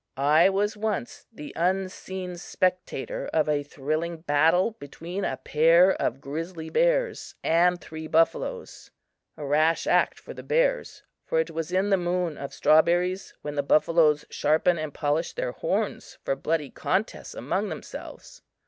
I was once the unseen spectator of a thrilling battle between a pair of grizzly bears and three buffaloes a rash act for the bears, for it was in the moon of strawberries, when the buffaloes sharpen and polish their horns for bloody contests among themselves.